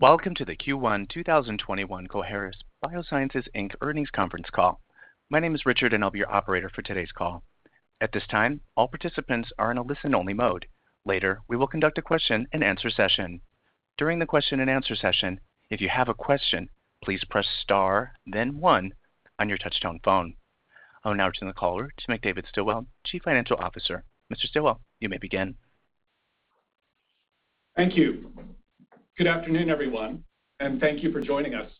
Welcome to the Q1 2021 Coherus BioSciences Inc. earnings conference call. My name is Richard. I'll be your operator for today's call. At this time, all participants are in a listen-only mode. Later, we will conduct a question and answer session. During the question and answer session, if you have a question, please press star then one on your touchtone phone. I will now turn the caller to McDavid Stilwell, Chief Financial Officer. Mr. Stilwell, you may begin. Thank you. Good afternoon, everyone, and thank you for joining us.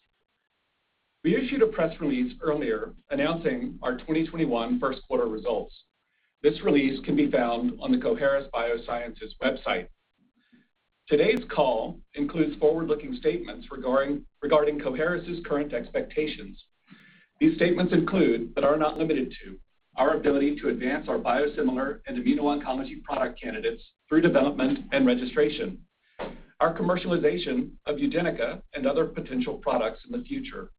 We issued a press release earlier announcing our 2021 first quarter results. This release can be found on the Coherus BioSciences website. Today's call includes forward-looking statements regarding Coherus's current expectations. These statements include, but are not limited to, our ability to advance our biosimilar and immuno-oncology product candidates through development and registration, our commercialization of UDENYCA and other potential products in the future,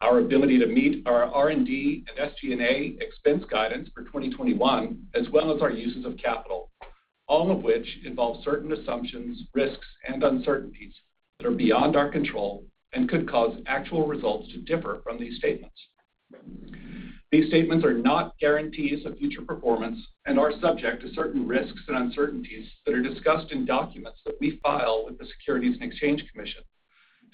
our ability to meet our R&D and SG&A expense guidance for 2021, as well as our uses of capital, all of which involve certain assumptions, risks, and uncertainties that are beyond our control and could cause actual results to differ from these statements. These statements are not guarantees of future performance and are subject to certain risks and uncertainties that are discussed in documents that we file with the Securities and Exchange Commission.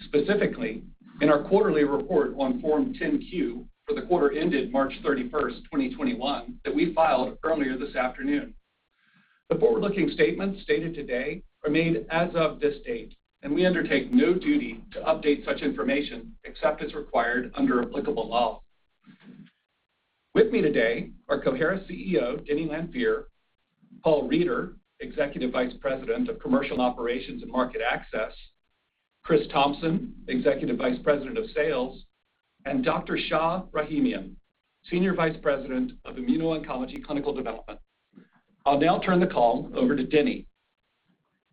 Specifically, in our quarterly report on Form 10-Q for the quarter ended March 31st, 2021, that we filed earlier this afternoon. The forward-looking statements stated today remain as of this date, we undertake no duty to update such information except as required under applicable law. With me today are Coherus CEO, Denny Lanfear, Paul Reeder, Executive Vice President of Commercial Operations and Market Access, Chris Thompson, Executive Vice President of Sales, and Dr. Shah Rahimian, Senior Vice President of Immuno-Oncology Clinical Development. I'll now turn the call over to Denny.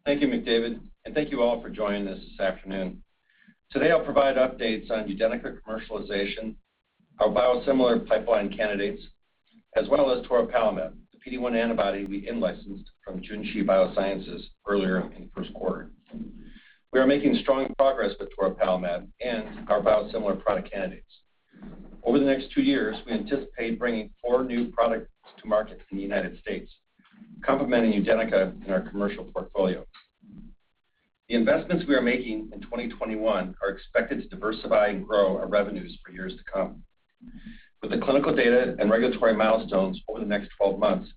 Thank you, McDavid, and thank you all for joining us this afternoon. Today, I'll provide updates on UDENYCA commercialization, our biosimilar pipeline candidates, as well as toripalimab, the PD-1 antibody we in-licensed from Junshi Biosciences earlier in the first quarter. We are making strong progress with toripalimab and our biosimilar product candidates. Over the next two years, we anticipate bringing four new products to market in the United States, complementing UDENYCA in our commercial portfolio. The investments we are making in 2021 are expected to diversify and grow our revenues for years to come. With the clinical data and regulatory milestones over the next 12 months,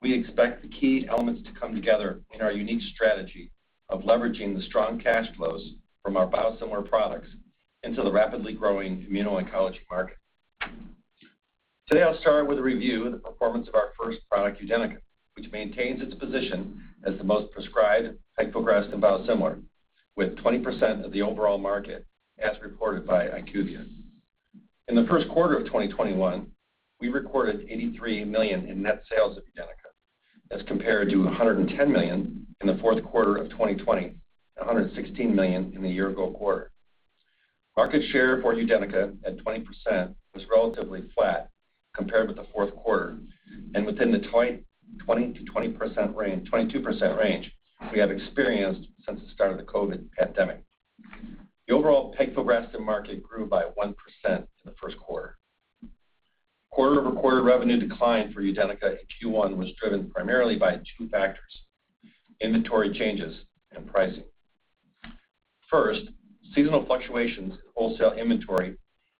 we expect the key elements to come together in our unique strategy of leveraging the strong cash flows from our biosimilar products into the rapidly growing immuno-oncology market. Today, I'll start with a review of the performance of our first product, UDENYCA, which maintains its position as the most prescribed pegfilgrastim biosimilar, with 20% of the overall market, as reported by IQVIA. In the first quarter of 2021, we recorded $83 million in net sales of UDENYCA as compared to $110 million in the fourth quarter of 2020 and $116 million in the year-ago quarter. Market share for UDENYCA at 20% was relatively flat compared with the fourth quarter and within the 20%-22% range we have experienced since the start of the COVID pandemic. The overall pegfilgrastim market grew by 1% in the first quarter. Quarter-over-quarter revenue decline for UDENYCA in Q1 was driven primarily by two factors, inventory changes and pricing. First, seasonal fluctuations in wholesale inventory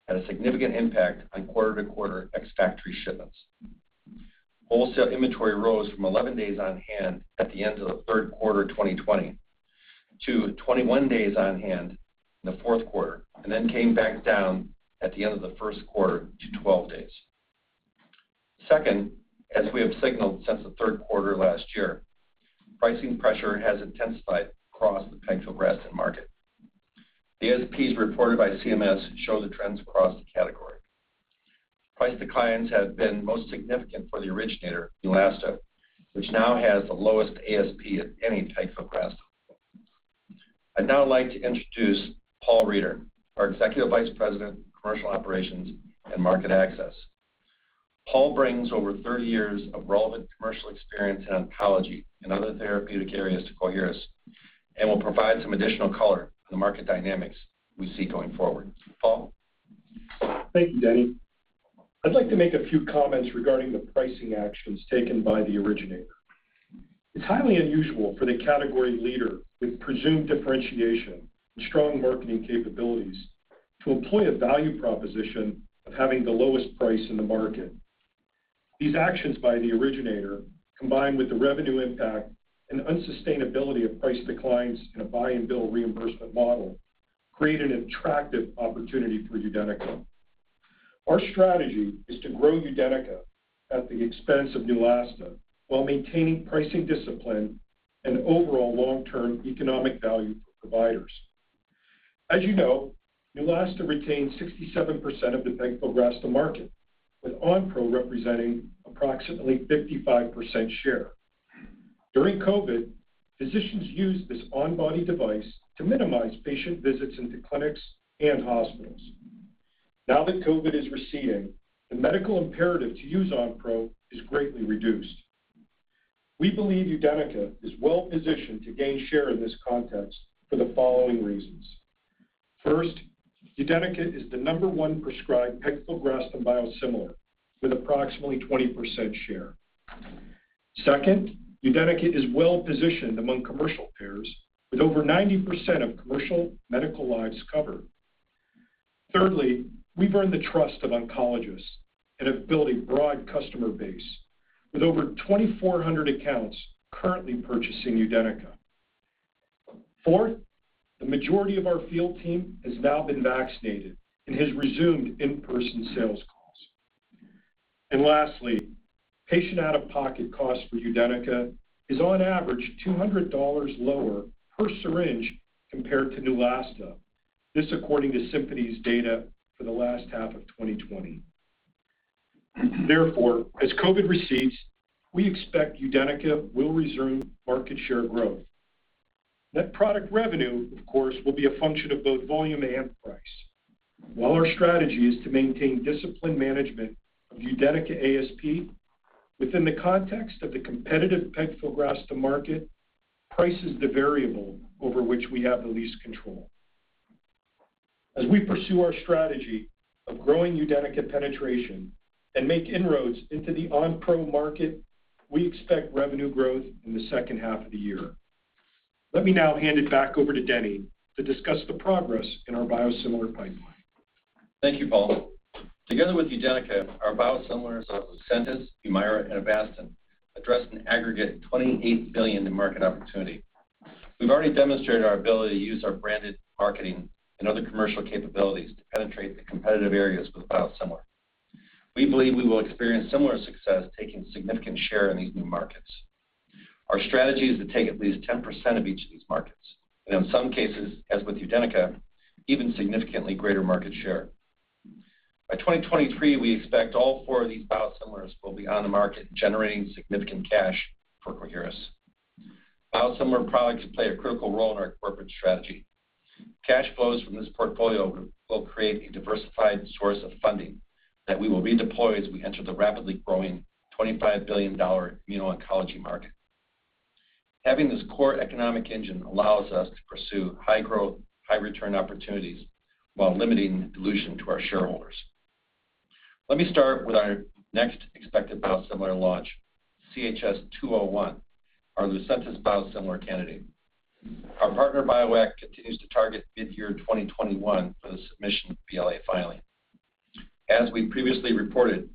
had a significant impact on quarter-to-quarter ex-factory shipments. Wholesale inventory rose from 11 days on hand at the end of the third quarter 2020 to 21 days on hand in the fourth quarter, and then came back down at the end of the first quarter to 12 days. Second, as we have signaled since the third quarter last year, pricing pressure has intensified across the pegfilgrastim market. The ASPs reported by CMS show the trends across the category. Price declines have been most significant for the originator, Neulasta, which now has the lowest ASP of any pegfilgrastim. I'd now like to introduce Paul Reeder, our Executive Vice President of Commercial Operations and Market Access. Paul brings over 30 years of relevant commercial experience in oncology and other therapeutic areas to Coherus and will provide some additional color on the market dynamics we see going forward. Paul? Thank you, Denny. I'd like to make a few comments regarding the pricing actions taken by the originator. It's highly unusual for the category leader with presumed differentiation and strong marketing capabilities to employ a value proposition of having the lowest price in the market. These actions by the originator, combined with the revenue impact and unsustainability of price declines in a buy and bill reimbursement model, create an attractive opportunity for UDENYCA. Our strategy is to grow UDENYCA at the expense of Neulasta while maintaining pricing discipline and overall long-term economic value for providers. As you know, Neulasta retains 67% of the pegfilgrastim market, with Onpro representing approximately 55% share. During COVID, physicians used this on-body device to minimize patient visits into clinics and hospitals. Now that COVID is receding, the medical imperative to use Onpro is greatly reduced. We believe UDENYCA is well-positioned to gain share in this context for the following reasons. First, UDENYCA is the number one prescribed pegfilgrastim biosimilar with approximately 20% share. Second, UDENYCA is well-positioned among commercial payers, with over 90% of commercial medical lives covered. Thirdly, we've earned the trust of oncologists and have built a broad customer base, with over 2,400 accounts currently purchasing UDENYCA. Fourth, the majority of our field team has now been vaccinated and has resumed in-person sales calls. Lastly, patient out-of-pocket cost for UDENYCA is on average $200 lower per syringe compared to Neulasta. This according to Symphony's data for the last half of 2020. Therefore, as COVID recedes, we expect UDENYCA will resume market share growth. Net product revenue, of course, will be a function of both volume and price. While our strategy is to maintain disciplined management of UDENYCA ASP, within the context of the competitive pegfilgrastim market, price is the variable over which we have the least control. As we pursue our strategy of growing UDENYCA penetration and make inroads into the Onpro market, we expect revenue growth in the second half of the year. Let me now hand it back over to Denny to discuss the progress in our biosimilar pipeline. Thank you, Paul. Together with UDENYCA, our biosimilars of Lucentis, Humira, and Avastin address an aggregate $28 billion in market opportunity. We've already demonstrated our ability to use our branded marketing and other commercial capabilities to penetrate the competitive areas with biosimilar. We believe we will experience similar success taking significant share in these new markets. Our strategy is to take at least 10% of each of these markets, and in some cases, as with UDENYCA, even significantly greater market share. By 2023, we expect all four of these biosimilars will be on the market generating significant cash for Coherus. Biosimilar products play a critical role in our corporate strategy. Cash flows from this portfolio will create a diversified source of funding that we will redeploy as we enter the rapidly growing $25 billion immuno-oncology market. Having this core economic engine allows us to pursue high-growth, high-return opportunities while limiting dilution to our shareholders. Let me start with our next expected biosimilar launch, CHS-201, our Lucentis biosimilar candidate. Our partner, Bioeq, continues to target mid-year 2021 for the submission of BLA filing. As we previously reported,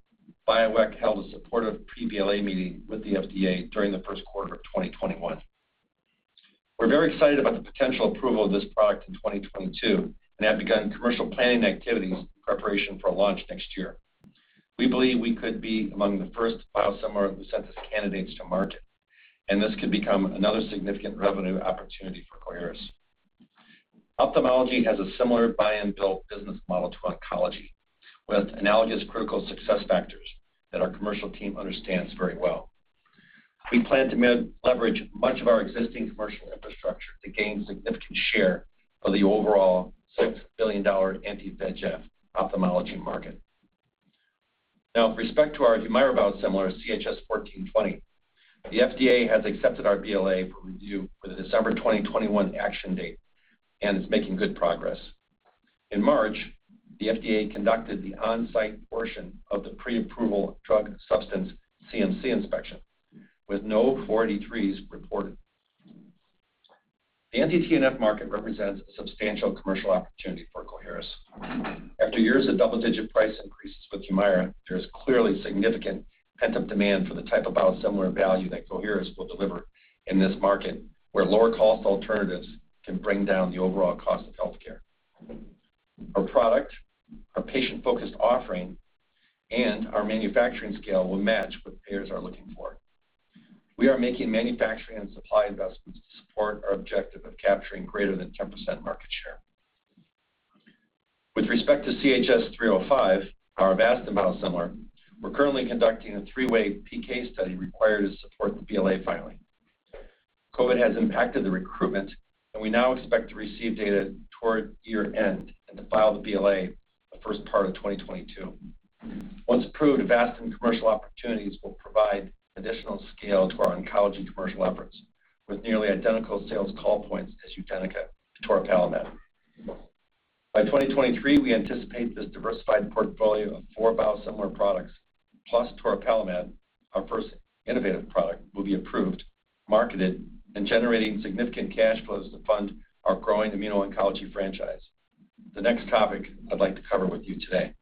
Bioeq held a supportive pre-BLA meeting with the FDA during the first quarter of 2021. We're very excited about the potential approval of this product in 2022 and have begun commercial planning activities in preparation for launch next year. We believe we could be among the first biosimilar Lucentis candidates to market, and this could become another significant revenue opportunity for Coherus. Ophthalmology has a similar buy and bill business model to oncology, with analogous critical success factors that our commercial team understands very well. We plan to leverage much of our existing commercial infrastructure to gain significant share of the overall $6 billion anti-VEGF ophthalmology market. With respect to our Humira biosimilar, CHS1420, the FDA has accepted our BLA for review with a December 2021 action date and is making good progress. In March, the FDA conducted the on-site portion of the pre-approval drug substance CMC inspection with no 483s reported. The anti-TNF market represents a substantial commercial opportunity for Coherus. After years of double-digit price increases with Humira, there's clearly significant pent-up demand for the type of biosimilar value that Coherus will deliver in this market, where lower-cost alternatives can bring down the overall cost of healthcare. Our product, our patient-focused offering, and our manufacturing scale will match what payers are looking for. We are making manufacturing and supply investments to support our objective of capturing greater than 10% market share. With respect to CHS-305, our Avastin biosimilar, we're currently conducting a three-way PK study required to support the BLA filing. COVID has impacted the recruitment, and we now expect to receive data toward year-end and to file the BLA the first part of 2022. Once approved, Avastin commercial opportunities will provide additional scale to our oncology commercial efforts, with nearly identical sales call points as UDENYCA to toripalimab. By 2023, we anticipate this diversified portfolio of four biosimilar products plus toripalimab, our first innovative product, will be approved, marketed, and generating significant cash flows to fund our growing immuno-oncology franchise, the next topic I'd like to cover with you today.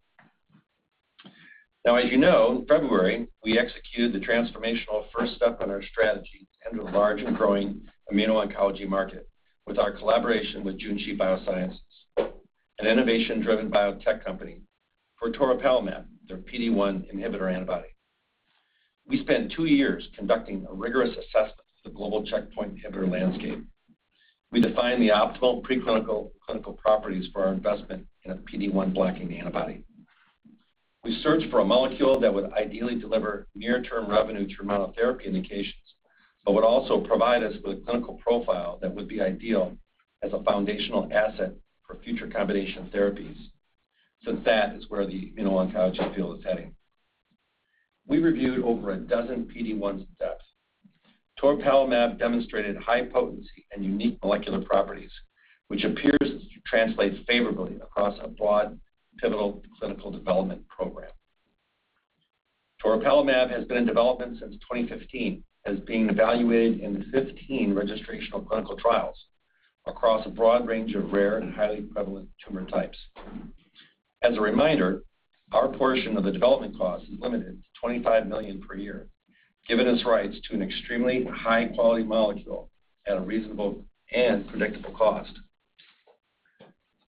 As you know, in February, we executed the transformational first step in our strategy into a large and growing immuno-oncology market with our collaboration with Junshi Biosciences, an innovation-driven biotech company, for toripalimab, their PD-1 inhibitor antibody. We spent two years conducting a rigorous assessment of the global checkpoint inhibitor landscape. We defined the optimal pre-clinical properties for our investment in a PD-1 blocking antibody. We searched for a molecule that would ideally deliver near-term revenue through monotherapy indications, but would also provide us with a clinical profile that would be ideal as a foundational asset for future combination therapies, since that is where the immuno-oncology field is heading. We reviewed over a dozen PD-1 steps. Toripalimab demonstrated high potency and unique molecular properties, which appears to translate favorably across a broad pivotal clinical development program. Toripalimab has been in development since 2015, has been evaluated in 15 registrational clinical trials across a broad range of rare and highly prevalent tumor types. As a reminder, our portion of the development cost is limited to $25 million per year, giving us rights to an extremely high-quality molecule at a reasonable and predictable cost.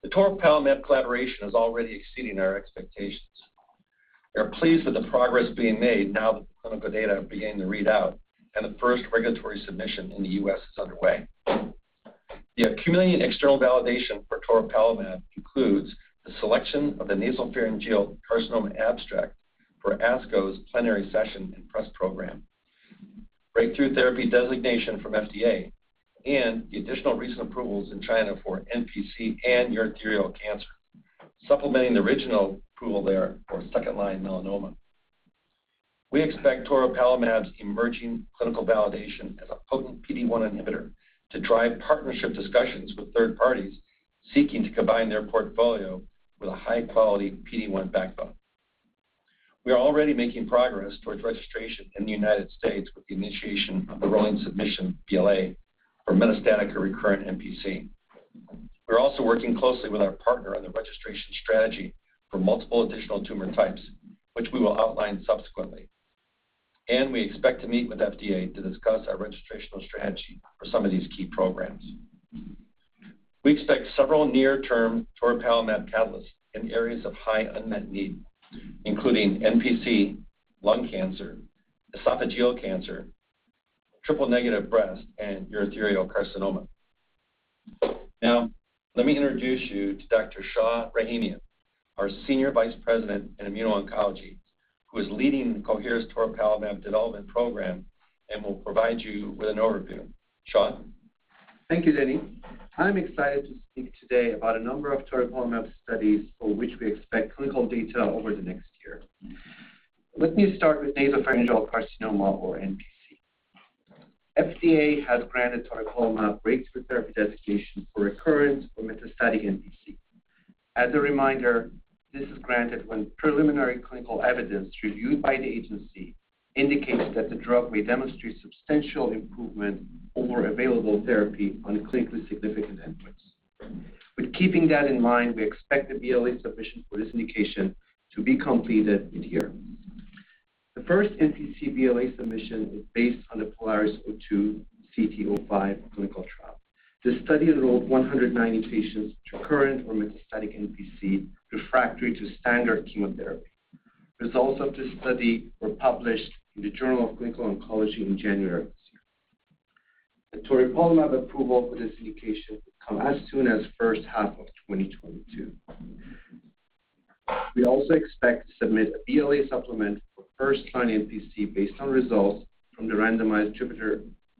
The toripalimab collaboration is already exceeding our expectations. We are pleased with the progress being made now that the clinical data have begun to read out, and the first regulatory submission in the U.S. is underway. The accumulating external validation for toripalimab includes the selection of the nasopharyngeal carcinoma abstract for ASCO's Plenary Session and Press Program, breakthrough therapy designation from FDA, and the additional recent approvals in China for NPC and urothelial cancer, supplementing the original approval there for second-line melanoma. We expect toripalimab's emerging clinical validation as a potent PD-1 inhibitor to drive partnership discussions with third parties seeking to combine their portfolio with a high-quality PD-1 backbone. We are already making progress towards registration in the United States with the initiation of a rolling submission BLA for metastatic or recurrent NPC. We're also working closely with our partner on the registration strategy for multiple additional tumor types, which we will outline subsequently. We expect to meet with FDA to discuss our registrational strategy for some of these key programs. We expect several near-term toripalimab catalysts in areas of high unmet need, including NPC, lung cancer, esophageal cancer, triple-negative breast, and urothelial carcinoma. Now, let me introduce you to Dr. Shah Rahimian, our Senior Vice President in immuno-oncology, who is leading Coherus toripalimab development program and will provide you with an overview. Shah? Thank you, Denny. I'm excited to speak today about a number of toripalimab studies for which we expect clinical data over the next year. Let me start with nasopharyngeal carcinoma, or NPC. FDA has granted toripalimab breakthrough therapy designation for recurrent or metastatic NPC. As a reminder, this is granted when preliminary clinical evidence reviewed by the agency indicates that the drug may demonstrate substantial improvement over available therapy on clinically significant endpoints. With keeping that in mind, we expect the BLA submission for this indication to be completed in here. The first NPC BLA submission is based on the POLARIS-02/CT05 clinical trial. This study enrolled 190 patients with recurrent or metastatic NPC refractory to standard chemotherapy. Results of this study were published in the "Journal of Clinical Oncology" in January of this year. The toripalimab approval for this indication could come as soon as the first half of 2022. We also expect to submit a BLA supplement for first-line NPC based on results from the randomized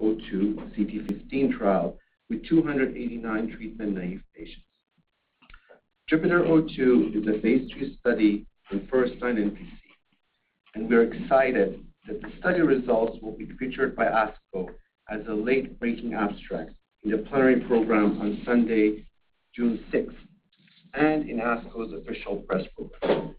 JUPITER-02/CT15 trial with 289 treatment-naive patients. JUPITER-02 is a phase II study for first-line NPC, and we're excited that the study results will be featured by ASCO as a late-breaking abstract in the plenary program on Sunday, June 6th, and in ASCO's official press program.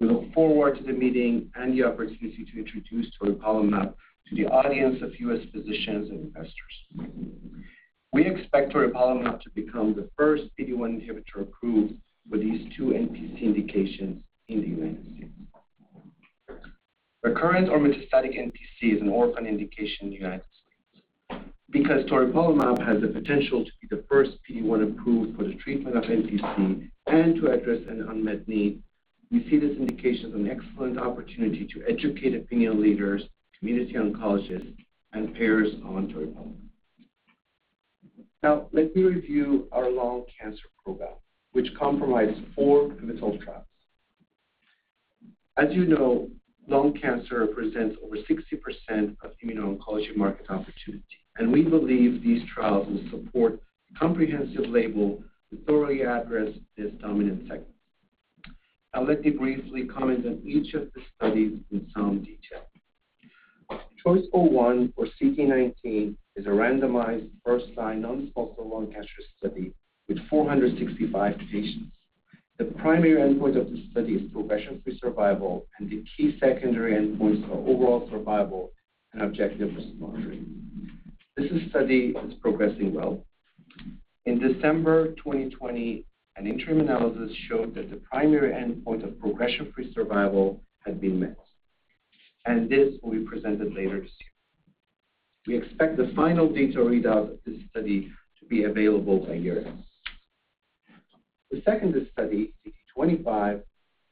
We look forward to the meeting and the opportunity to introduce toripalimab to the audience of U.S. physicians and investors. We expect toripalimab to become the first PD-1 inhibitor approved for these two NPC indications in the United States. Recurrent or metastatic NPC is an orphan indication in the United States. Because toripalimab has the potential to be the first PD-1 approved for the treatment of NPC and to address an unmet need, we see this indication as an excellent opportunity to educate opinion leaders, community oncologists, and payers on toripalimab. Now, let me review our lung cancer program, which comprises four pivotal trials. As you know, lung cancer represents over 60% of the immuno-oncology market opportunity, and we believe these trials will support a comprehensive label to thoroughly address this dominant segment. Let me briefly comment on each of the studies in some detail. CHOICE-01, or CT019, is a randomized, first-line non-small cell lung cancer study with 465 patients. The primary endpoint of the study is progression-free survival, and the key secondary endpoints are overall survival and objective response rate. This study is progressing well. In December 2020, an interim analysis showed that the primary endpoint of progression-free survival had been met, and this will be presented later this year. We expect the final data readout of this study to be available by year-end. The second study, CT25,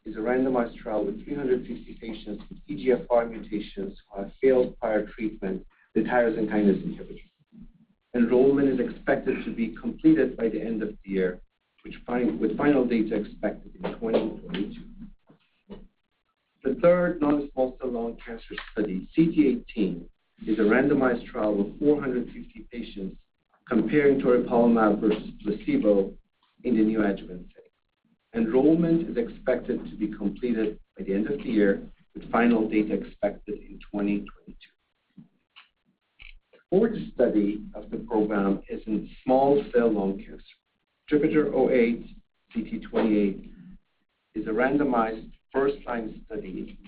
is a randomized trial with 350 patients with EGFR mutations who have failed prior treatment with tyrosine kinase inhibitors. Enrollment is expected to be completed by the end of the year, with final data expected in 2022. The third non-small cell lung cancer study, CT18, is a randomized trial of 450 patients comparing toripalimab versus placebo in the neoadjuvant setting. Enrollment is expected to be completed by the end of the year, with final data expected in 2022. The fourth study of the program is in small cell lung cancer. JUPITER-08, CT28, is a randomized first-line study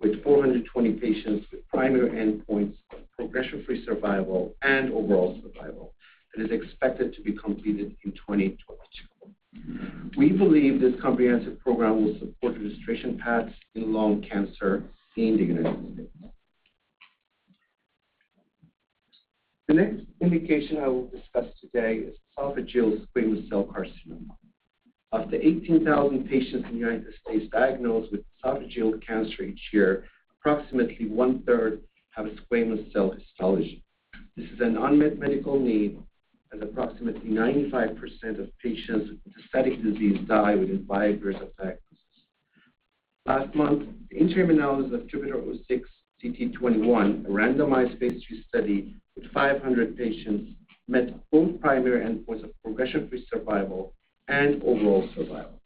with 420 patients with primary endpoints of progression-free survival and overall survival. It is expected to be completed in 2022. We believe this comprehensive program will support registration paths in lung cancer in the United States. The next indication I will discuss today is esophageal squamous cell carcinoma. Of the 18,000 patients in the United States diagnosed with esophageal cancer each year, approximately 1/3 have a squamous cell histology. This is an unmet medical need, as approximately 95% of patients with metastatic disease die within five years of diagnosis. Last month, the interim analysis of JUPITER-06, CT21, a randomized phase II study with 500 patients, met both primary endpoints of progression-free survival and overall survival.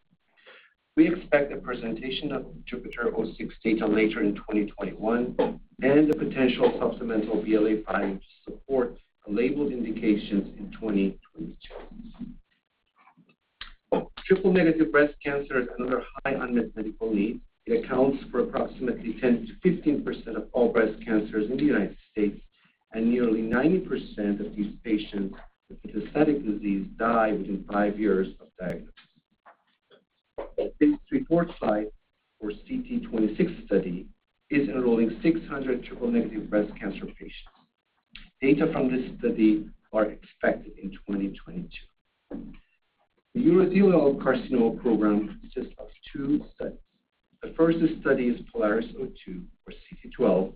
We expect a presentation of JUPITER-06 data later in 2021 and the potential supplemental BLA filing to support labeled indications in 2022. Triple-negative breast cancer is another high unmet medical need. It accounts for approximately 10%-15% of all breast cancers in the United States, and nearly 90% of these patients with metastatic disease die within five years of diagnosis. phase III TORCHLIGHT for CT26 study is enrolling 600 triple-negative breast cancer patients. Data from this study are expected in 2022. The urothelial carcinoma program consists of two studies. The first study is POLARIS-02, or CT12,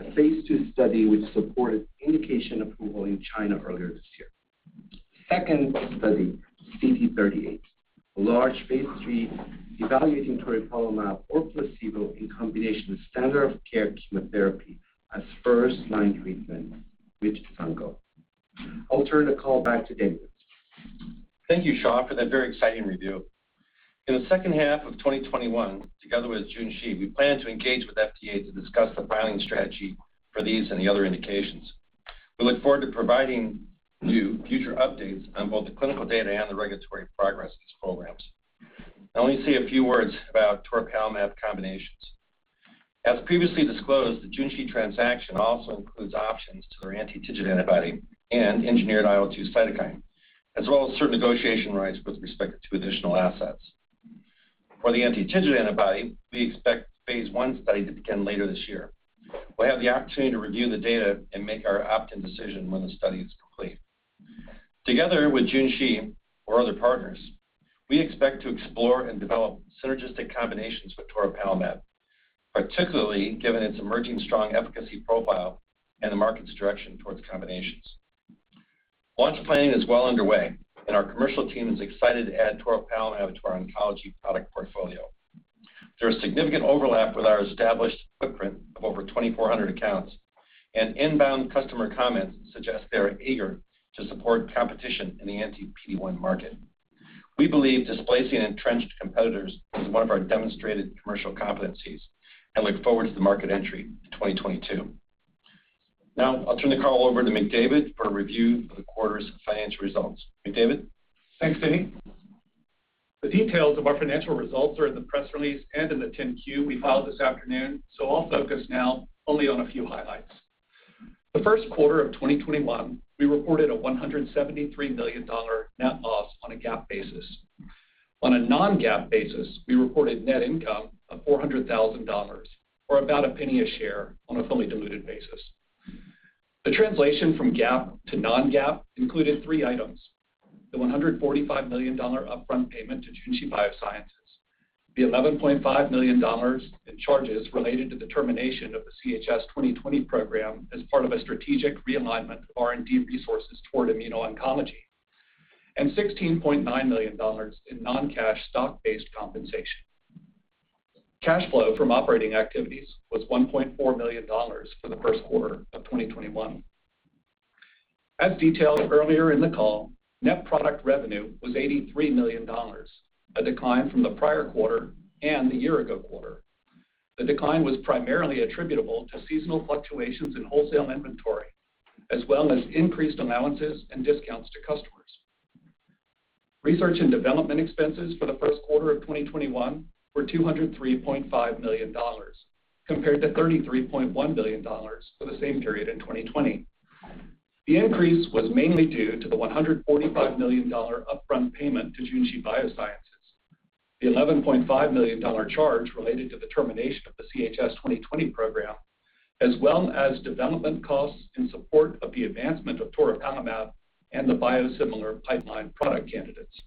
a phase II study which supported indication approval in China earlier this year. Second study, CT38, a large phase III evaluating toripalimab or placebo in combination with standard of care chemotherapy as first-line treatment with Cisplatin. I'll turn the call back to McDavid. Thank you, Shah, for that very exciting review. In the second half of 2021, together with Junshi, we plan to engage with FDA to discuss the filing strategy for these and the other indications. We look forward to providing you future updates on both the clinical data and the regulatory progress of these programs. Let me say a few words about toripalimab combinations. As previously disclosed, the Junshi transaction also includes options to our anti-TIGIT antibody and engineered IL-2 cytokine, as well as certain negotiation rights with respect to additional assets. For the anti-TIGIT antibody, we expect the phase I study to begin later this year. We'll have the opportunity to review the data and make our opt-in decision when the study is complete. Together with Junshi or other partners, we expect to explore and develop synergistic combinations with toripalimab, particularly given its emerging strong efficacy profile and the market's direction towards combinations. Launch planning is well underway, and our commercial team is excited to add toripalimab to our oncology product portfolio. There is significant overlap with our established footprint of over 2,400 accounts, and inbound customer comments suggest they are eager to support competition in the anti-PD-1 market. We believe displacing entrenched competitors is one of our demonstrated commercial competencies and look forward to the market entry in 2022. Now, I'll turn the call over to McDavid for a review of the quarter's financial results. McDavid? Thanks, Denny. The details of our financial results are in the press release and in the 10-Q we filed this afternoon. I'll focus now only on a few highlights. The first quarter of 2021, we reported a $173 million net loss on a GAAP basis. On a non-GAAP basis, we reported net income of $400,000, or about $0.01 a share on a fully diluted basis. The translation from GAAP to non-GAAP included three items. The $145 million upfront payment to Junshi Biosciences, the $11.5 million in charges related to the termination of the CHS-2020 program as part of a strategic realignment of R&D resources toward immuno-oncology, and $16.9 million in non-cash stock-based compensation. Cash flow from operating activities was $1.4 million for the first quarter of 2021. As detailed earlier in the call, net product revenue was $83 million, a decline from the prior quarter and the year-ago quarter. The decline was primarily attributable to seasonal fluctuations in wholesale inventory, as well as increased allowances and discounts to customers. Research and development expenses for the first quarter of 2021 were $203.5 million, compared to $33.1 million for the same period in 2020. The increase was mainly due to the $145 million upfront payment to Junshi Biosciences, the $11.5 million charge related to the termination of the CHS-2020 program, as well as development costs in support of the advancement of toripalimab and the biosimilar pipeline product candidates.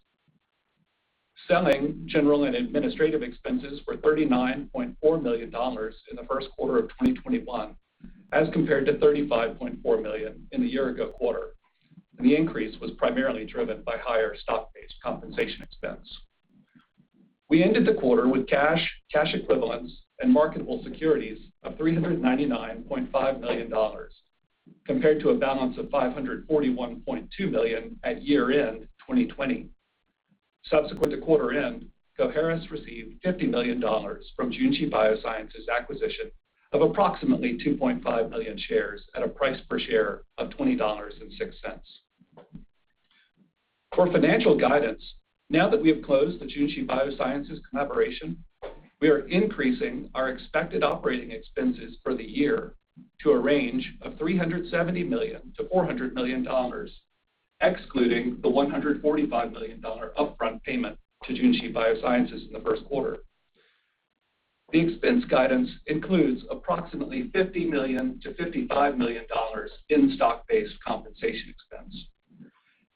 Selling, general and administrative expenses were $39.4 million in the first quarter of 2021 as compared to $35.4 million in the year-ago quarter. The increase was primarily driven by higher stock-based compensation expense. We ended the quarter with cash equivalents, and marketable securities of $399.5 million, compared to a balance of $541.2 million at year-end 2020. Subsequent to quarter end, Coherus received $50 million from Junshi Biosciences acquisition of approximately 2.5 million shares at a price per share of $20.06. For financial guidance, now that we have closed the Junshi Biosciences combination, we are increasing our expected operating expenses for the year to a range of $370 million-$400 million, excluding the $145 million upfront payment to Junshi Biosciences in the first quarter. The expense guidance includes approximately $50 million-$55 million in stock-based compensation expense.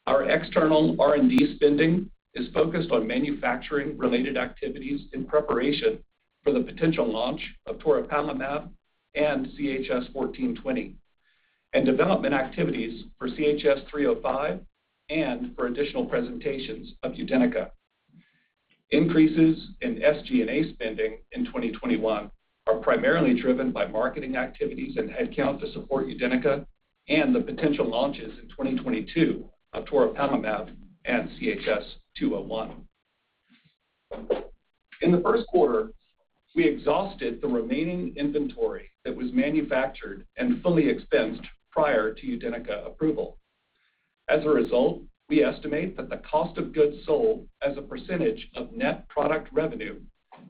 Our external R&D spending is focused on manufacturing-related activities in preparation for the potential launch of toripalimab and CHS-1420, and development activities for CHS-305 and for additional presentations of UDENYCA. Increases in SG&A spending in 2021 are primarily driven by marketing activities and headcount to support UDENYCA and the potential launches in 2022 of toripalimab and CHS-201. In the first quarter, we exhausted the remaining inventory that was manufactured and fully expensed prior to UDENYCA approval. As a result, we estimate that the cost of goods sold as a % of net product revenue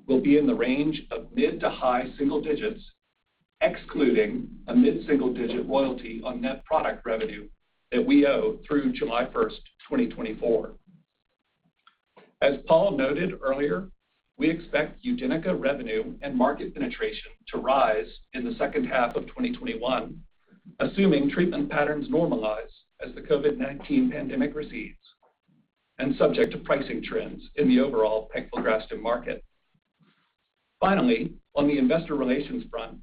will be in the range of mid to high single digits, excluding a mid-single digit royalty on net product revenue that we owe through July 1st, 2024. As Paul noted earlier, we expect UDENYCA revenue and market penetration to rise in the second half of 2021, assuming treatment patterns normalize as the COVID-19 pandemic recedes, and subject to pricing trends in the overall pegfilgrastim market. Finally, on the investor relations front,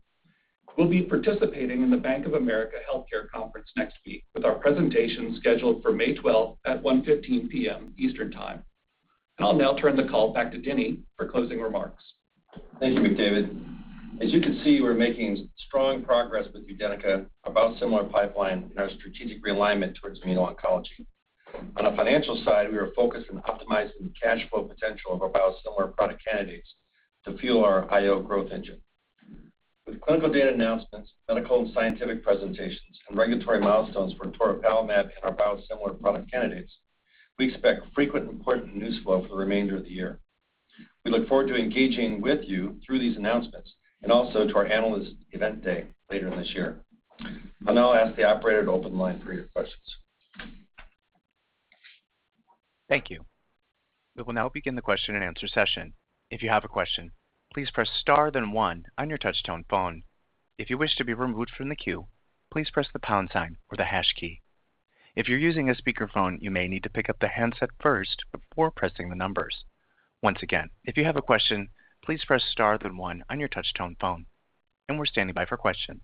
we'll be participating in the Bank of America Healthcare Conference next week with our presentation scheduled for May 12th at 1:15 P.M. Eastern Time. I'll now turn the call back to Denny for closing remarks. Thank you, David. As you can see, we're making strong progress with UDENYCA, biosimilar pipeline, and our strategic realignment towards immuno-oncology. On the financial side, we are focused on optimizing the cash flow potential of our biosimilar product candidates to fuel our IO growth engine. With clinical data announcements, medical and scientific presentations, and regulatory milestones for toripalimab and our biosimilar product candidates, we expect frequent important news flow for the remainder of the year. We look forward to engaging with you through these announcements and also to our Analyst Event Day later this year. I'll now ask the operator to open the line for your questions. Thank you. We will now begin the question-and-answer session. If you have a question, please press star then one on your touch tone phone. If you wish to be removed from the queue, please press the pound sign with the hash key. If your using the speaker phone you may need to pick up your handset first before pressing the numbers. Once again, if you have a question please press star then one on your touch tone phone, and we standby for question.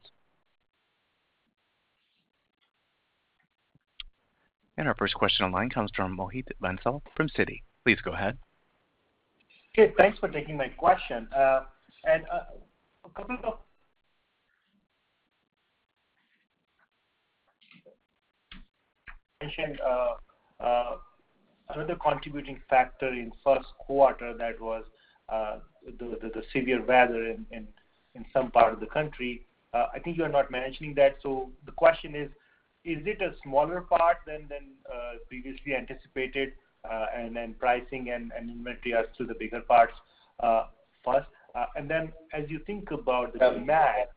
Our first question online comes from Mohit Bansal from Citi. Please go ahead. Okay, thanks for taking my question. You mentioned another contributing factor in first quarter that was the severe weather in some part of the country. I think you're not mentioning that. The question is it a smaller part than previously anticipated, and then pricing and inventory are still the bigger parts first? As you think about demand,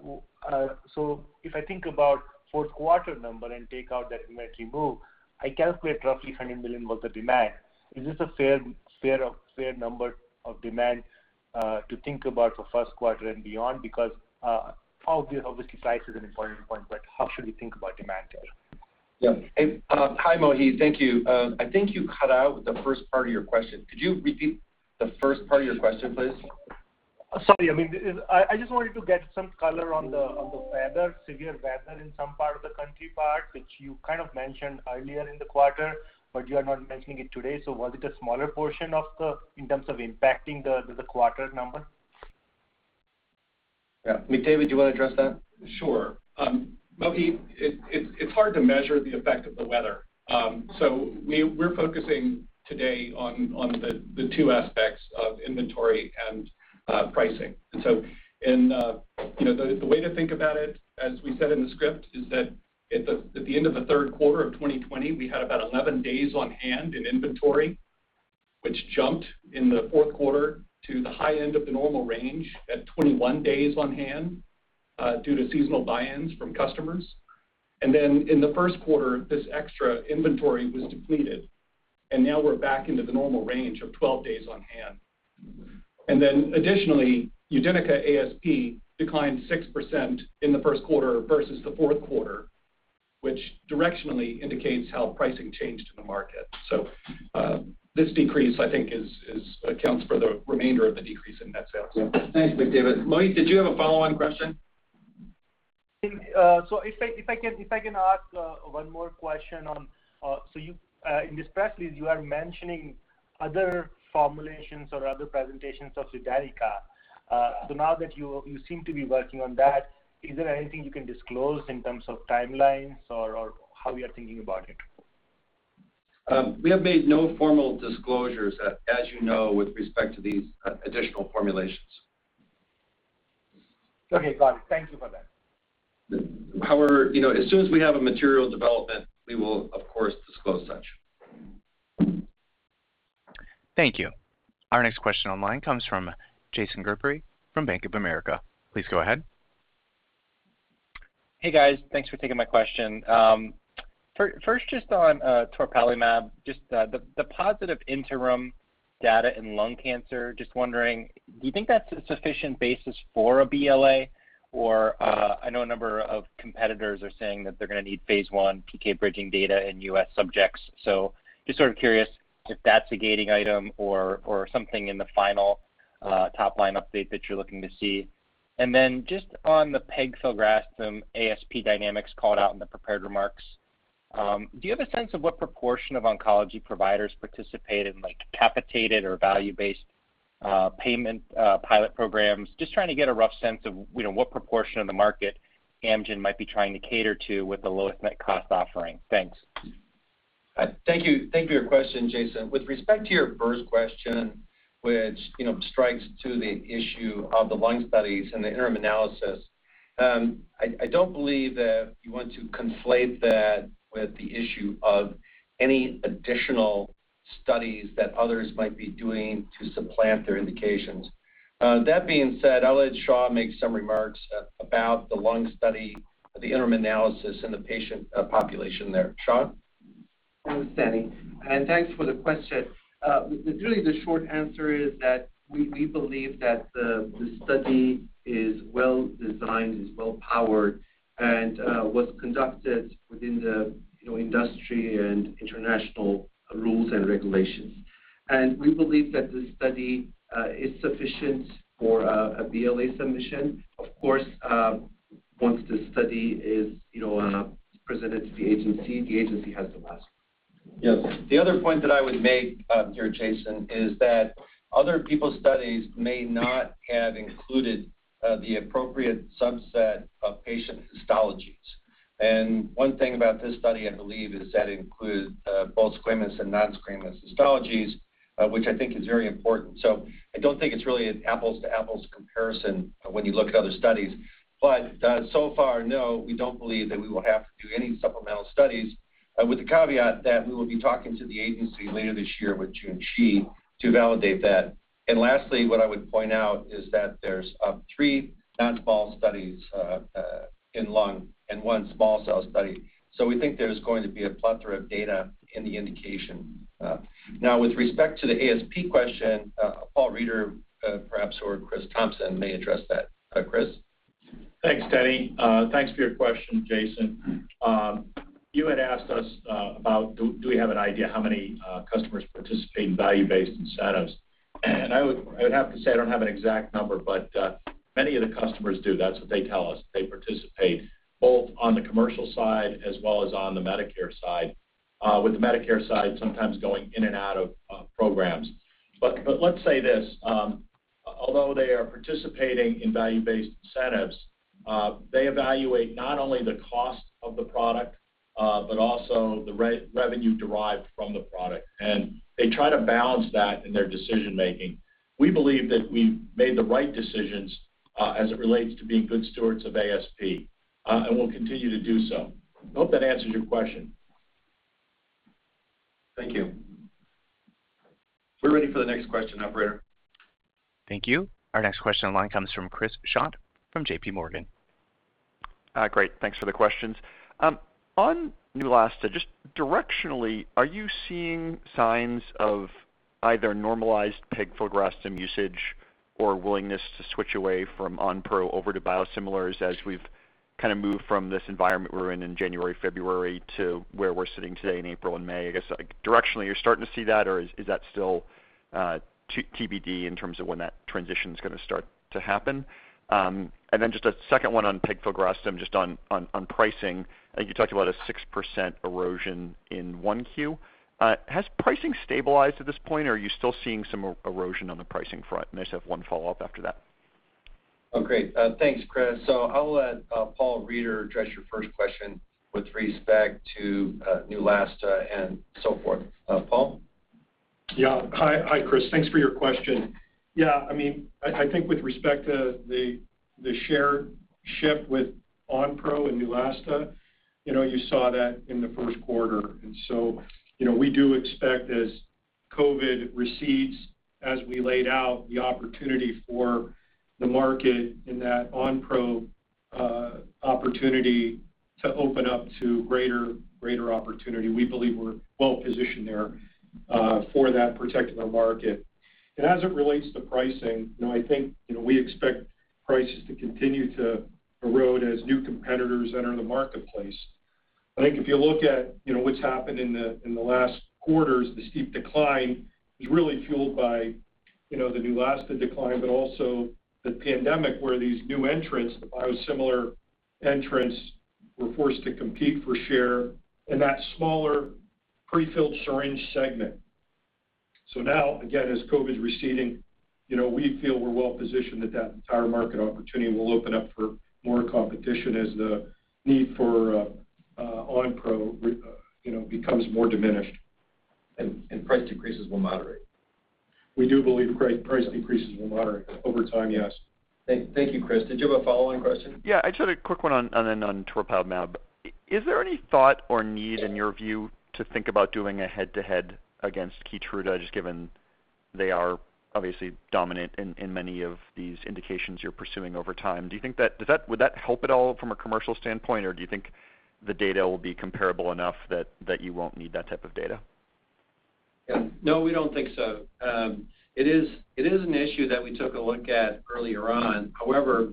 if I think about fourth quarter number and take out that inventory move, I calculate roughly $100 million worth of demand. Is this a fair number of demand to think about for first quarter and beyond? Obviously price is an important point, but how should we think about demand here? Hi, Mohit. Thank you. I think you cut out the first part of your question. Could you repeat the first part of your question, please? Sorry. I just wanted to get some color on the severe weather in some part of the country, which you kind of mentioned earlier in the quarter, but you're not mentioning it today. Was it a smaller portion in terms of impacting the quarter number? Yeah. McDavid, do you want to address that? Sure. Mohit, it's hard to measure the effect of the weather. We're focusing today on the two aspects of inventory and pricing. The way to think about it, as we said in the script, is that at the end of the third quarter of 2020, we had about 11 days on hand in inventory, which jumped in the fourth quarter to the high end of the normal range at 21 days on hand due to seasonal buy-ins from customers. In the first quarter, this extra inventory was depleted, and now we're back into the normal range of 12 days on hand. Additionally, UDENYCA ASP declined 6% in the first quarter versus the fourth quarter, which directionally indicates how pricing changed in the market. This decrease, I think accounts for the remainder of the decrease in net sales. Yeah. Thanks, McDavid. Mohit, did you have a follow-on question? If I can ask one more question on, in this press release, you are mentioning other formulations or other presentations of UDENYCA. Now that you seem to be working on that, is there anything you can disclose in terms of timelines or how you're thinking about it? We have made no formal disclosures, as you know, with respect to these additional formulations. Okay, got it. Thank you for that. As soon as we have a material development, we will, of course, disclose such. Thank you. Our next question online comes from Jason Gerberry from Bank of America. Please go ahead. Hey, guys. Thanks for taking my question. Just on toripalimab, just the positive interim data in lung cancer, just wondering, do you think that's a sufficient basis for a BLA or, I know a number of competitors are saying that they're going to need phase I PK bridging data in U.S. subjects, just sort of curious if that's a gating item or something in the final top-line update that you're looking to see. Just on the pegfilgrastim ASP dynamics called out in the prepared remarks, do you have a sense of what proportion of oncology providers participate in capitated or value-based payment pilot programs? Just trying to get a rough sense of what proportion of the market Amgen might be trying to cater to with the lowest net cost offering. Thanks. Thank you. Thank you for your question, Jason. With respect to your first question, which strikes to the issue of the lung studies and the interim analysis, I don't believe that you want to conflate that with the issue of any additional studies that others might be doing to supplant their indications. That being said, I'll let Shah make some remarks about the lung study, the interim analysis, and the patient population there. Shah? Thanks, Denny. Thanks for the question. Really the short answer is that we believe that the study is well-designed, is well-powered, and was conducted within the industry and international rules and regulations. We believe that the study is sufficient for a BLA submission. Of course, once the study is presented to the agency, the agency has the last say. Yes. The other point that I would make here, Jason, is that other people's studies may not have included the appropriate subset of patient histologies. One thing about this study, I believe, is that it includes both squamous and non-squamous histologies, which I think is very important. I don't think it's really an apples to apples comparison when you look at other studies. But so far, no, we don't believe that we will have to do any supplemental studies with the caveat that we will be talking to the agency later this year with Junshi Biosciences to validate that. Lastly, what I would point out is that there's three non-small studies in lung and one small cell study. We think there's going to be a plethora of data in the indication. With respect to the ASP question, Paul Reeder perhaps, or Chris Thompson may address that. Chris? Thanks, Denny. Thanks for your question, Jason. You had asked us about do we have an idea how many customers participate in value-based incentives? I would have to say I don't have an exact number, but many of the customers do. That's what they tell us. They participate both on the commercial side as well as on the Medicare side, with the Medicare side sometimes going in and out of programs. Let's say this, although they are participating in value-based incentives, they evaluate not only the cost of the product, but also the revenue derived from the product. They try to balance that in their decision-making. We believe that we've made the right decisions as it relates to being good stewards of ASP, and will continue to do so. Hope that answers your question. Thank you. We're ready for the next question, operator. Thank you. Our next question in line comes from Chris Schott from JPMorgan. Great. Thanks for the questions. On Neulasta, just directionally, are you seeing signs of either normalized pegfilgrastim usage or willingness to switch away from Onpro over to biosimilars as we've kind of moved from this environment we were in in January, February to where we're sitting today in April and May? I guess directionally, you're starting to see that or is that still TBD in terms of when that transition's going to start to happen? Just a second one on pegfilgrastim, just on pricing. You talked about a 6% erosion in 1Q. Has pricing stabilized at this point or are you still seeing some erosion on the pricing front? I just have one follow-up after that. Oh, great. Thanks, Chris. I will let Paul Reeder address your first question with respect to Neulasta and so forth. Paul? Yeah. Hi, Chris. Thanks for your question. Yeah, I think with respect to the share shift with Onpro and Neulasta, you saw that in the first quarter. We do expect as COVID recedes, as we laid out the opportunity for the market in that Onpro opportunity to open up to greater opportunity. We believe we're well-positioned there for that particular market. As it relates to pricing, I think we expect prices to continue to erode as new competitors enter the marketplace. I think if you look at what's happened in the last quarters, the steep decline is really fueled by the Neulasta decline, but also the pandemic, where these new entrants, the biosimilar entrants, were forced to compete for share in that smaller pre-filled syringe segment. Now, again, as COVID's receding, we feel we're well-positioned that that entire market opportunity will open up for more competition as the need for Onpro becomes more diminished. Price decreases will moderate. We do believe price decreases will moderate over time, yes. Thank you, Chris. Did you have a follow-on question? Yeah, I just had a quick one on toripalimab. Is there any thought or need, in your view, to think about doing a head-to-head against KEYTRUDA, just given they are obviously dominant in many of these indications you're pursuing over time? Would that help at all from a commercial standpoint, or do you think the data will be comparable enough that you won't need that type of data? No, we don't think so. It is an issue that we took a look at earlier on. However,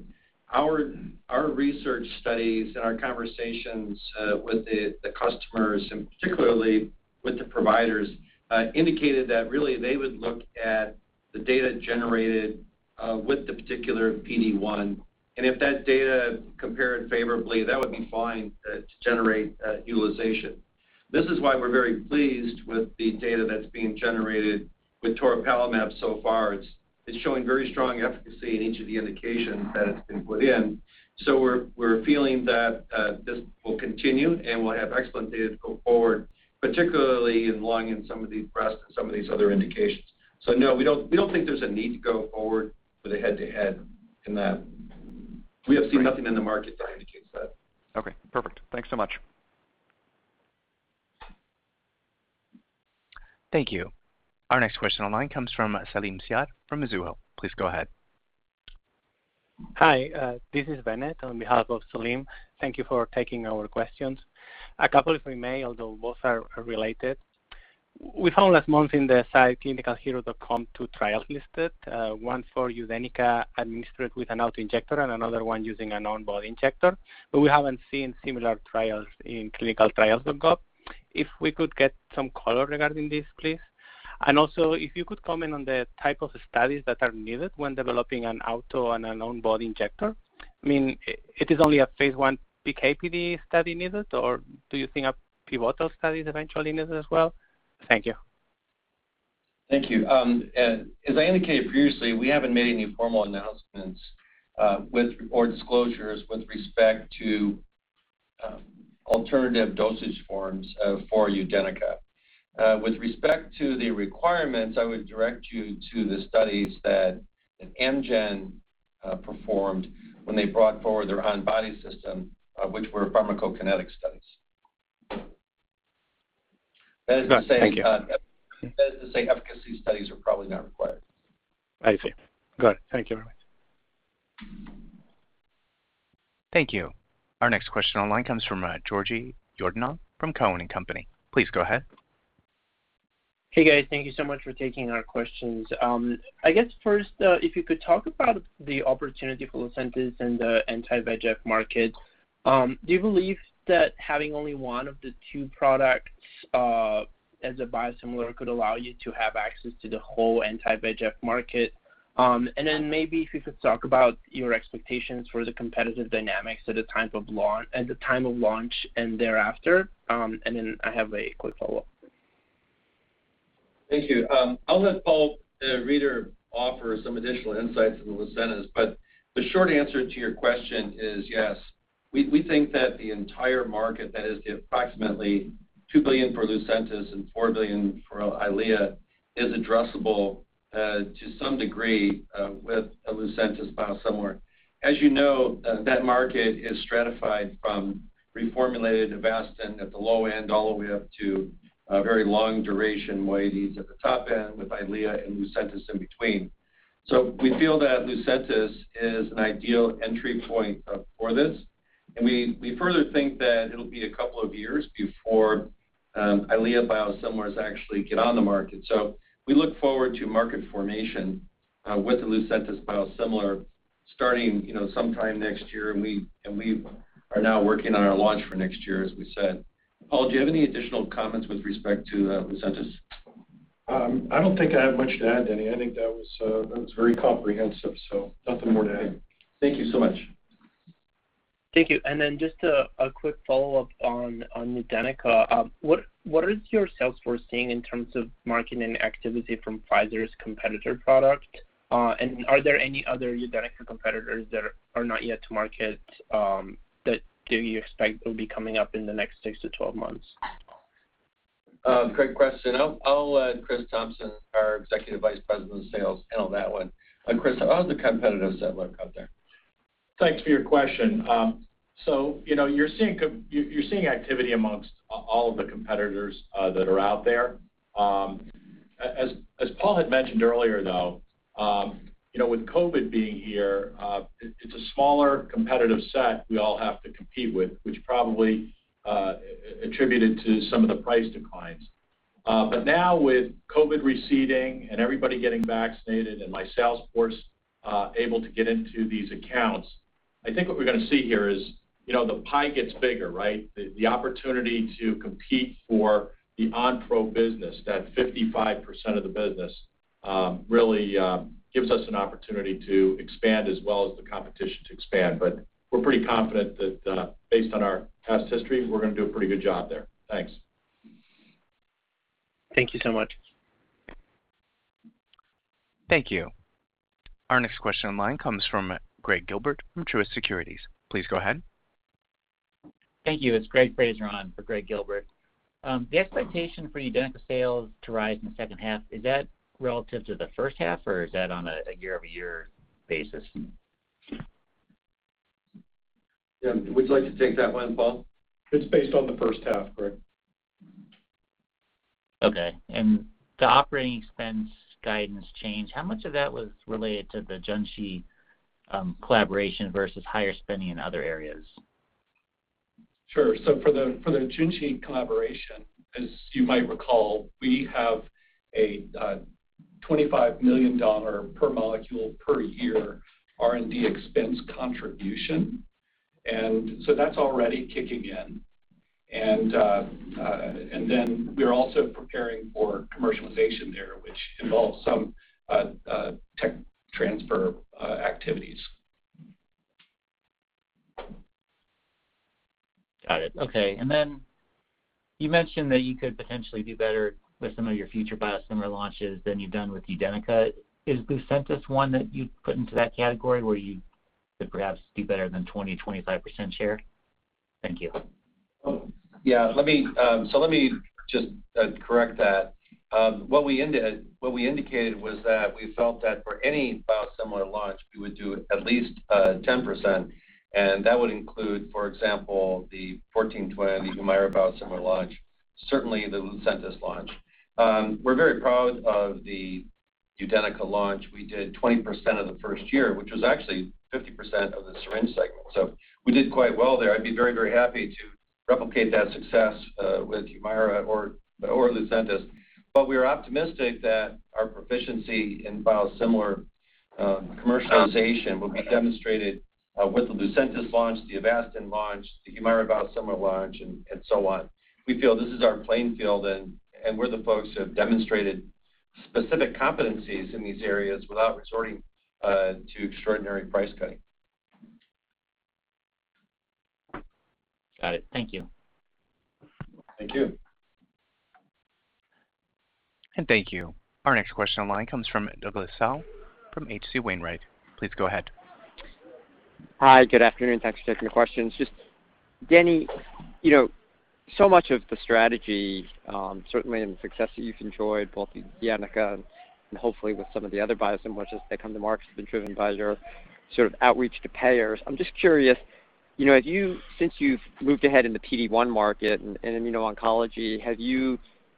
our research studies and our conversations with the customers, and particularly with the providers, indicated that really they would look at the data generated with the particular PD-1, and if that data compared favorably, that would be fine to generate utilization. This is why we're very pleased with the data that's being generated with toripalimab so far. It's showing very strong efficacy in each of the indications that it's been put in. We're feeling that this will continue, and we'll have excellent data to go forward, particularly in lung and some of these breast and some of these other indications. No, we don't think there's a need to go forward with a head-to-head in that. We have seen nothing in the market that indicates that. Okay, perfect. Thanks so much. Thank you. Our next question online comes from Salim Syed from Mizuho. Please go ahead. Hi, this is Bennett on behalf of Salim. Thank you for taking our questions. A couple, if I may, although both are related. We found last month in the site clinicalhero.com two trials listed, one for UDENYCA administered with an auto-injector and another one using an on-body injector. We haven't seen similar trials in clinicaltrials.gov. Also, if you could comment on the type of studies that are needed when developing an auto and an on-body injector. It is only a phase I PK/PD study needed, or do you think pivotal studies eventually needed as well? Thank you. Thank you. As I indicated previously, we haven't made any formal announcements or disclosures with respect to alternative dosage forms for UDENYCA. With respect to the requirements, I would direct you to the studies that Amgen performed when they brought forward their own body system, which were pharmacokinetic studies. Thank you. That is to say efficacy studies are probably not required. I see. Good. Thank you very much. Thank you. Our next question online comes from Yatin Suneja from Cowen & Company. Please go ahead. Hey, guys. Thank you so much for taking our questions. I guess first, if you could talk about the opportunity for Lucentis in the anti-VEGF market. Do you believe that having only one of the two products as a biosimilar could allow you to have access to the whole anti-VEGF market? Maybe if you could talk about your expectations for the competitive dynamics at the time of launch and thereafter. I have a quick follow-up. Thank you. I'll let Paul Reeder offer some additional insights into Lucentis. The short answer to your question is yes. We think that the entire market, that is approximately $2 billion for Lucentis and $4 billion for Eylea, is addressable to some degree with a Lucentis biosimilar. As you know, that market is stratified from reformulated Avastin at the low end all the way up to very long duration at the top end with Eylea and Lucentis in between. We feel that Lucentis is an ideal entry point for this, and we further think that it'll be a couple of years before Eylea biosimilars actually get on the market. We look forward to market formation with the Lucentis biosimilar starting sometime next year, and we are now working on our launch for next year, as we said. Paul, do you have any additional comments with respect to Lucentis? I don't think I have much to add, Denny. I think that was very comprehensive. Nothing more to add. Thank you so much. Thank you. Just a quick follow-up on UDENYCA. What is your sales force seeing in terms of marketing activity from Pfizer's competitor product? Are there any other UDENYCA competitors that are not yet to market that you expect will be coming up in the next six to 12 months? Great question. I'll let Chris Thompson, our Executive Vice President of Sales, handle that one. Chris, how are the competitors that look out there? Thanks for your question. You're seeing activity amongst all of the competitors that are out there. As Paul had mentioned earlier, though, with COVID being here, it's a smaller competitive set we all have to compete with, which probably attributed to some of the price declines. Now with COVID receding and everybody getting vaccinated and my sales force able to get into these accounts, I think what we're going to see here is the pie gets bigger. The opportunity to compete for the Onpro business, that 55% of the business, really gives us an opportunity to expand as well as the competition to expand. We're pretty confident that based on our past history, we're going to do a pretty good job there. Thanks. Thank you so much. Thank you. Our next question online comes from Gregg Gilbert from Truist Securities. Please go ahead. Thank you. It's Greg Fraser on for Gregg Gilbert. The expectation for UDENYCA sales to rise in the second half, is that relative to the first half, or is that on a year-over-year basis? Yeah. Would you like to take that one, Paul? It's based on the first half, Greg. Okay. The operating expense guidance change, how much of that was related to the Junshi collaboration versus higher spending in other areas? Sure. For the Junshi collaboration, as you might recall, we have a $25 million per molecule per year R&D expense contribution. That's already kicking in. We are also preparing for commercialization there, which involves some tech transfer activities. Got it. Okay. You mentioned that you could potentially do better with some of your future biosimilar launches than you've done with UDENYCA. Is Lucentis one that you'd put into that category where you could perhaps do better than 20%-25% share? Thank you. Yeah. Let me just correct that. What we indicated was that we felt that for any biosimilar launch, we would do at least 10%. That would include, for example, the CHS-1420, the Humira biosimilar launch, certainly the Lucentis launch. We're very proud of the UDENYCA launch. We did 20% of the first year, which was actually 50% of the syringe segment, so we did quite well there. I'd be very, very happy to replicate that success with Humira or Lucentis. We are optimistic that our proficiency in biosimilar commercialization will be demonstrated with the Lucentis launch, the Avastin launch, the Humira biosimilar launch, and so on. We feel this is our playing field, and we're the folks who have demonstrated specific competencies in these areas without resorting to extraordinary price cutting. Got it. Thank you. Thank you. Thank you. Our next question online comes from Douglas Tsao from H.C. Wainwright. Please go ahead. Hi. Good afternoon. Thanks for taking the questions. Just Denny, so much of the strategy, certainly, and the success that you've enjoyed, both with UDENYCA and hopefully with some of the other biosimilars as they come to market, has been driven by your sort of outreach to payers. I'm just curious, since you've moved ahead in the PD-1 market and immuno-oncology, have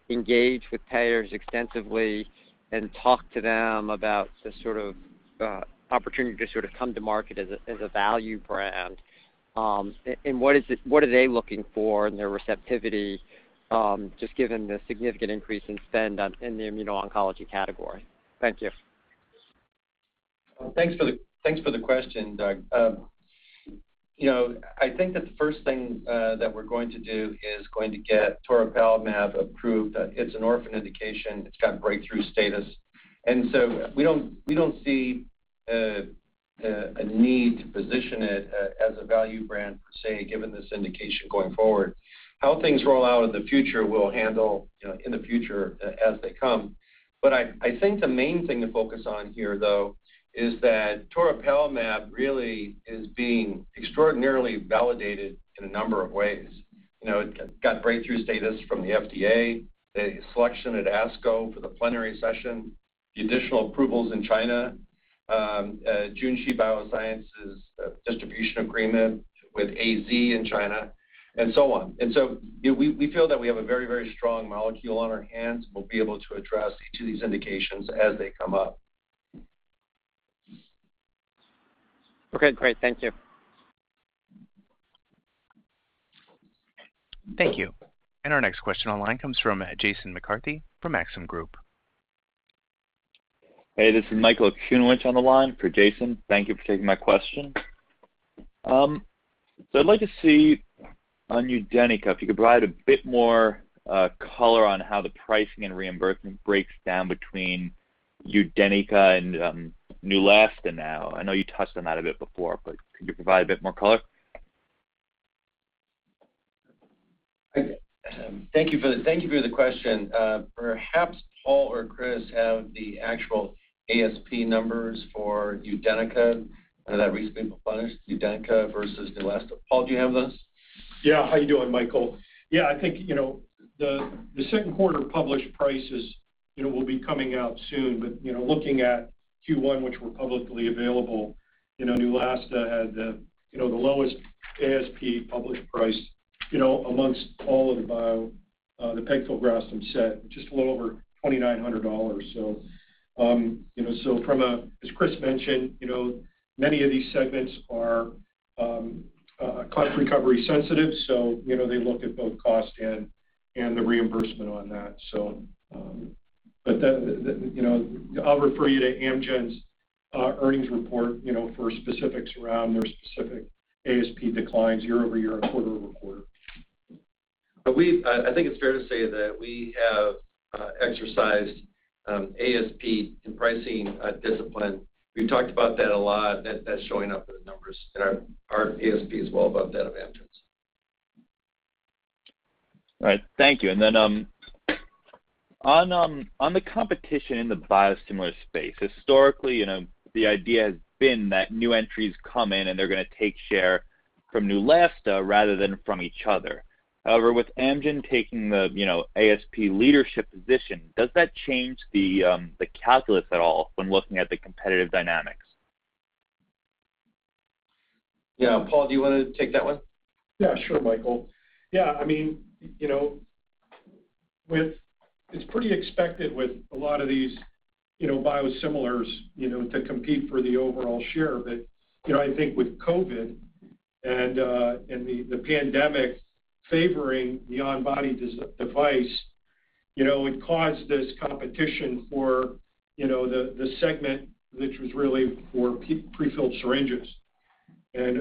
you engaged with payers extensively and talked to them about the sort of opportunity to sort of come to market as a value brand? What are they looking for in their receptivity just given the significant increase in spend on in the immuno-oncology category? Thank you. Thanks for the question, Doug. I think that the first thing that we're going to do is going to get toripalimab approved. It's an orphan indication. It's got breakthrough status. We don't see a need to position it as a value brand, per se, given this indication going forward. How things roll out in the future, we'll handle in the future as they come. I think the main thing to focus on here, though, is that toripalimab really is being extraordinarily validated in a number of ways. It got breakthrough status from the FDA, the selection at ASCO for the plenary session, the additional approvals in China, Junshi Biosciences distribution agreement with AZ in China, and so on. We feel that we have a very, very strong molecule on our hands, and we'll be able to address each of these indications as they come up. Okay, great. Thank you. Thank you. Our next question online comes from Jason McCarthy from Maxim Group. Hey, this is Michael Okunewitch on the line for Jason. Thank you for taking my question. I'd like to see on UDENYCA if you could provide a bit more color on how the pricing and reimbursement breaks down between UDENYCA and Neulasta now. I know you touched on that a bit before, but could you provide a bit more color? Thank you for the question. Perhaps Paul or Chris have the actual ASP numbers for UDENYCA that recently published, UDENYCA versus Neulasta. Paul, do you have those? Yeah. How you doing, Michael? Yeah, I think, the second quarter published prices will be coming out soon. Looking at Q1, which were publicly available, Neulasta had the lowest ASP published price amongst all of the pegfilgrastim set, just a little over $2,900. As Chris mentioned, many of these segments are cost recovery sensitive, so they look at both cost and the reimbursement on that. I'll refer you to Amgen's earnings report for specifics around their specific ASP declines year-over-year and quarter-over-quarter. I think it's fair to say that we have exercised ASP and pricing discipline. We've talked about that a lot, that's showing up in the numbers, and our ASP is well above that of Amgen's. All right. Thank you. On the competition in the biosimilar space, historically, the idea has been that new entries come in and they're going to take share from Neulasta rather than from each other. However, with Amgen taking the ASP leadership position, does that change the calculus at all when looking at the competitive dynamics? Yeah, Paul, do you want to take that one? Yeah, sure, Michael. It's pretty expected with a lot of these biosimilars to compete for the overall share. I think with COVID and the pandemic favoring the onbody device, it caused this competition for the segment which was really for prefilled syringes.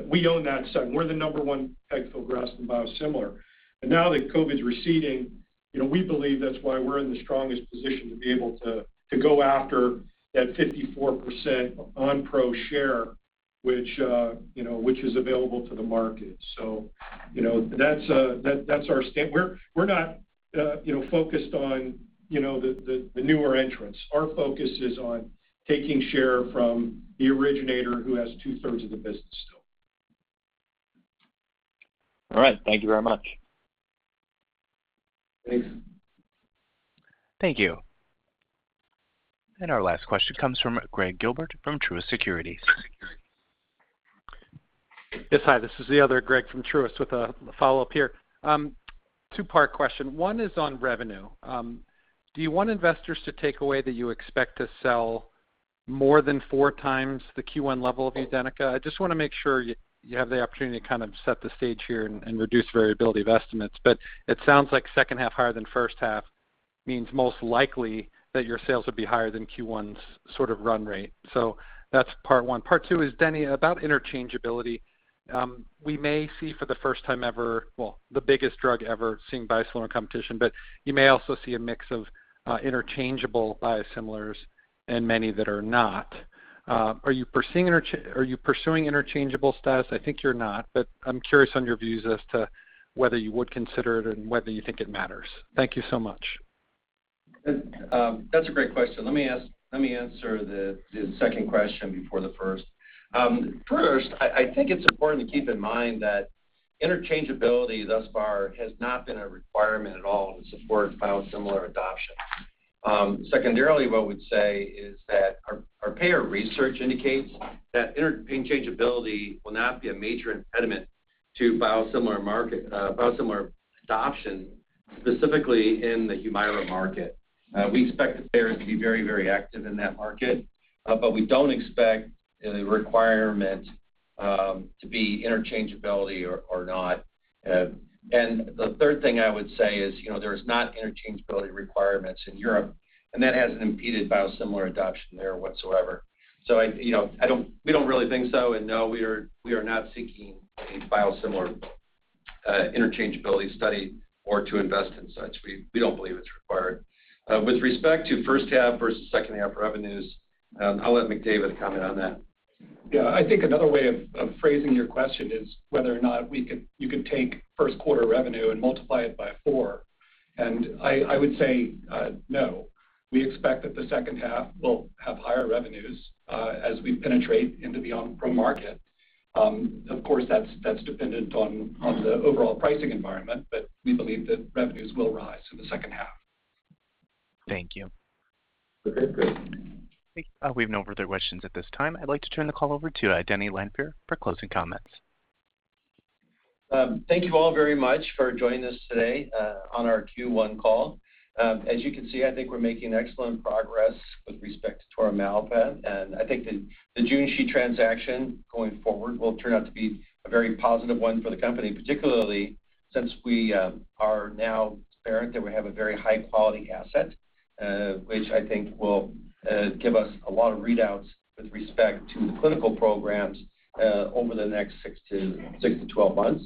We own that segment. We're the number one pegfilgrastim biosimilar. Now that COVID's receding, we believe that's why we're in the strongest position to be able to go after that 54% Onpro share, which is available to the market. That's our stand. We're not focused on the newer entrants. Our focus is on taking share from the originator who has 2/3 of the business still. All right. Thank you very much. Thanks. Thank you. Our last question comes from Gregg Gilbert from Truist Securities. Yes, hi. This is the other Greg from Truist with a follow-up here. Two-part question. One is on revenue. Do you want investors to take away that you expect to sell more than four times the Q1 level of UDENYCA? I just want to make sure you have the opportunity to set the stage here and reduce variability of estimates. It sounds like second half higher than first half means most likely that your sales will be higher than Q1's run rate. That's part one. Part two is, Denny, about interchangeability. We may see for the first time ever, well, the biggest drug ever seeing biosimilar competition, you may also see a mix of interchangeable biosimilars and many that are not. Are you pursuing interchangeable status? I think you're not, but I'm curious on your views as to whether you would consider it and whether you think it matters. Thank you so much. That's a great question. Let me answer the second question before the first. First, I think it's important to keep in mind that interchangeability thus far has not been a requirement at all to support biosimilar adoption. Secondarily, what we'd say is that our payer research indicates that interchangeability will not be a major impediment to biosimilar adoption, specifically in the Humira market. We expect the payers to be very active in that market, but we don't expect the requirement to be interchangeability or not. The third thing I would say is, there is not interchangeability requirements in Europe, and that hasn't impeded biosimilar adoption there whatsoever. We don't really think so, and no, we are not seeking a biosimilar interchangeability study or to invest in such. We don't believe it's required. With respect to first half versus second half revenues, I'll let McDavid comment on that. Yeah, I think another way of phrasing your question is whether or not you could take first quarter revenue and multiply it by four. I would say no. We expect that the second half will have higher revenues as we penetrate into the Onpro market. Of course, that's dependent on the overall pricing environment. We believe that revenues will rise in the second half. Thank you. Okay, great. We have no further questions at this time. I'd like to turn the call over to Denny Lanfear for closing comments. Thank you all very much for joining us today on our Q1 call. As you can see, I think we're making excellent progress with respect to toripalimab. I think the Junshi transaction going forward will turn out to be a very positive one for the company, particularly since we are now apparent that we have a very high-quality asset, which I think will give us a lot of readouts with respect to the clinical programs over the next six to 12 months.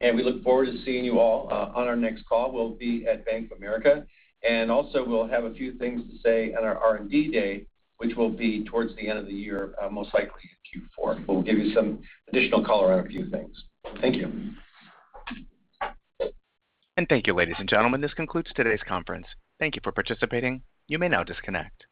We look forward to seeing you all on our next call. We'll be at Bank of America, and also we'll have a few things to say on our R&D day, which will be towards the end of the year, most likely in Q4. We'll give you some additional color on a few things. Thank you. Thank you, ladies and gentlemen. This concludes today's conference. Thank you for participating. You may now disconnect.